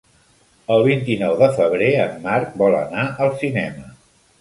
El vint-i-nou de febrer en Marc vol anar al cinema.